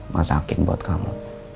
masakin buat kamu